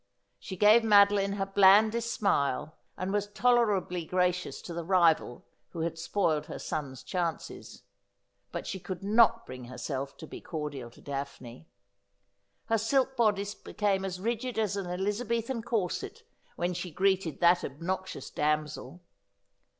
She gave Madeline her blandest smile, and was tolerably gracious to the rival who had spoiled her son's chances ; but she could not bring herself to be cordial to Daphne. Her silk bodice became as rigid as an Eliza bethan corset when she greeted that obnoxious damsel.